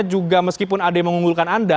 juga meskipun ada yang mengunggulkan anda